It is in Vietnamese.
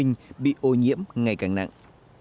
ngày càng nặng